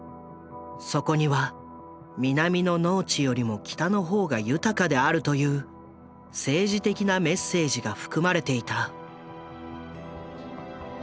そこには南の農地よりも北の方が豊かであるという政治的なメッセージが含まれていた。